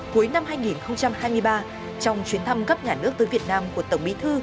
cuối năm hai nghìn hai mươi ba trong chuyến thăm cấp nhà nước tới việt nam của tổng bí thư